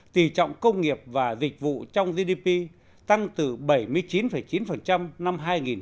tỷ trọng công nghiệp và dịch vụ trong gdp tăng từ bảy mươi chín chín năm hai nghìn một mươi